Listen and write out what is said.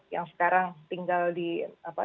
yang sekarang tinggal di apa